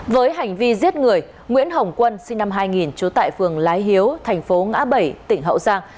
với hành vi giết người nguyễn hồng quân sinh năm hai nghìn trú tại phường lái hiếu thành phố ngã bảy tỉnh hậu giang